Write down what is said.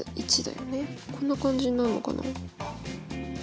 こんな感じになるのかな？